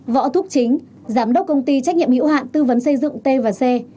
võ thúc chính giám đốc công ty trách nhiệm hữu hạn tư vấn xây dựng t và c